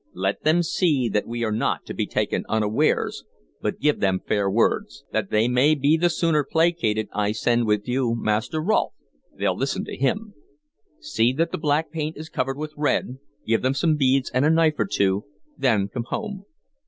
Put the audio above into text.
Let them see that we are not to be taken unawares, but give them fair words. That they may be the sooner placated I send with you Master Rolfe, they'll listen to him. See that the black paint is covered with red, give them some beads and a knife or two, then come home.